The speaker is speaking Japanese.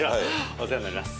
お世話になります。